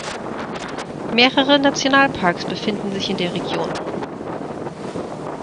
Mehrere Nationalparks befinden sich in der Region.